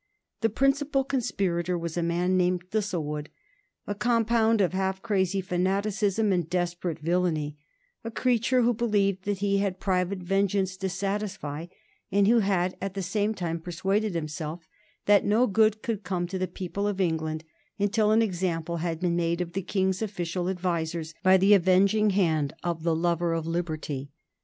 The principal conspirator was a man named Thistlewood, a compound of half crazy fanaticism and desperate villany a creature who believed that he had private vengeance to satisfy, and who had, at the same time, persuaded himself that no good could come to the people of England until an example had been made of the King's official advisers by the avenging hand of the lover of liberty.